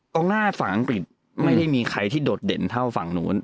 กองหน้าฝั่งอังกฤษไม่ได้มีใครที่โดดเด่นเท่าฝั่งนู้น